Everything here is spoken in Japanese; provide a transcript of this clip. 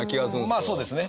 まあそうですね。